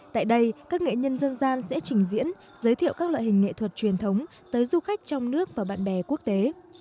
tại đây các nghệ nhân dân gian sẽ trình diễn giới thiệu các loại hình nghệ thuật truyền thống tới du khách trong nước và bạn bè quốc tế